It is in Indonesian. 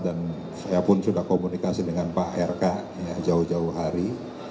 dan saya pun sudah komunikasi dengan pak rk jauh jauh hari